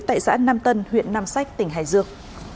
tại xã nam tân huyện nam sách tỉnh hải dương